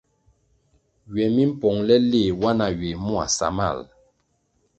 Ywe mi pongʼle nle wa na ywè mua samal ?